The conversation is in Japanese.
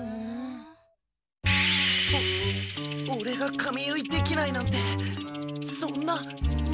オオレが髪結いできないなんてそんなまさか。